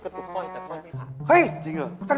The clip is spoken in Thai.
กระตุกสร้อยผมวิ่งตาม